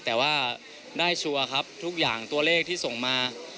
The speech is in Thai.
แต่ว่าได้ชัวร์ครับทุกอย่างตัวเลขที่ส่งมา